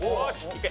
いけ！